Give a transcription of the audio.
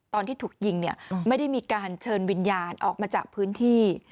ตอนที่ถูกยิงเนี่ยไม่ได้มีการเชิญวิญญาณออกมาจากพื้นที่